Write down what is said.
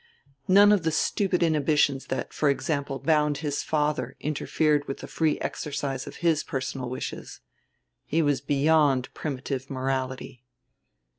None of the stupid inhibitions that, for example, bound his father interfered with the free exercise of his personal wishes. He was beyond primitive morality.